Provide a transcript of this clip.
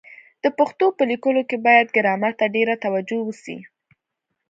د پښتو په لیکلو کي بايد ګرامر ته ډېره توجه وسي.